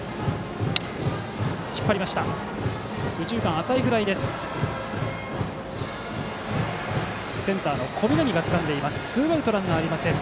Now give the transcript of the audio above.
浅いフライセンターの小南がつかんでツーアウト、ランナーありません。